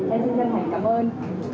hãy xin chân thành cảm ơn